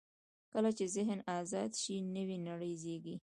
کله چې ذهن آزاد شي، نوې نړۍ زېږي.